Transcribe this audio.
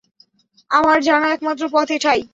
আমার জানা একমাত্র পথ এটাই।